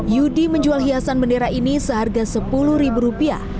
yudi menjual hiasan bendera ini seharga sepuluh ribu rupiah